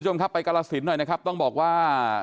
คุณผู้ชมครับไปกาลสินหน่อยนะครับต้องบอกว่า